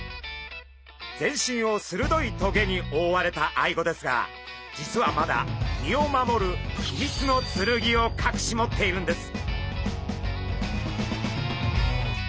全身をするどい棘におおわれたアイゴですが実はまだ身を守る秘密の剣をかくし持っているんです。